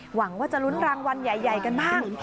หวังว่าจะลุ้นรางวัลใหญ่กันบ้าง